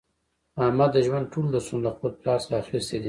احمد د ژوند ټول درسونه له خپل پلار څخه اخیستي دي.